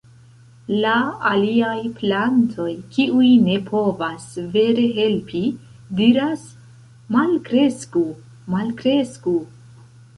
La aliaj plantoj, kiuj ne povas vere helpi, diras: "Malkresku! Malkresku!".